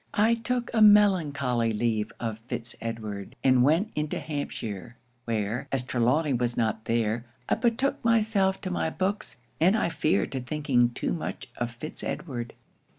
I took a melancholy leave of Fitz Edward, and went into Hampshire; where, as Trelawny was not there, I betook myself to my books, and I fear to thinking too much of Fitz Edward.